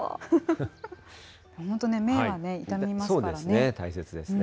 本当、目は痛みますからね。